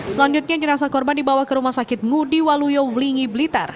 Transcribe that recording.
selanjutnya jenasa korban dibawa ke rumah sakit ngu diwaluyo wulingi blitar